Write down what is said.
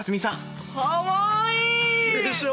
かわいい！でしょう？